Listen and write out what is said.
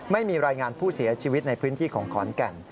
ไม่มีรายงานผู้เสียชีวิตในพื้นที่ของขอนแก่น